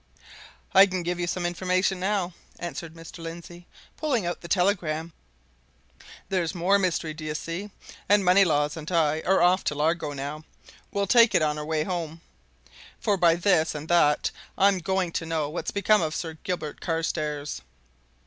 "I can give you some information now," answered Mr. Lindsey, pulling out the telegram. "There's more mystery, do you see? And Moneylaws and I are off to Largo now we'll take it on our way home. For by this and that, I'm going to know what's become of Sir Gilbert Carstairs!"